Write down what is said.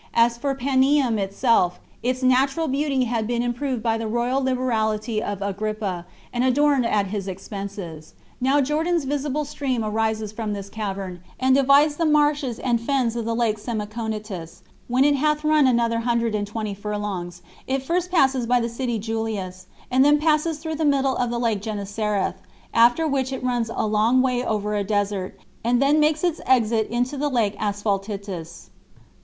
As for Panium itself, its natural beauty had been improved by the royal liberality of Agrippa, and adorned at his expenses. Now Jordan's visible stream arises from this cavern, and divides the marshes and fens of the lake Semechonitis; when it hath run another hundred and twenty furlongs, it first passes by the city Julias, and then passes through the middle of the lake Gennesareth; after which it runs a long way over a desert, and then makes its exit into the lake Asphaltites.